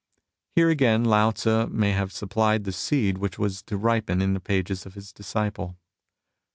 Here again Lao Tzu may have supplied the seed which was to ripen in the pages of his disciple.